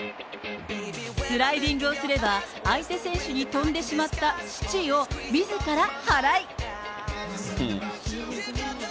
スライディングをすれば、相手選手に飛んでしまった土をみずから払い。